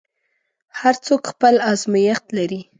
هر څوک خپل ازمېښت لري.